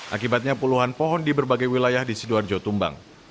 akibatnya puluhan pohon di berbagai wilayah di sidoarjo tumbang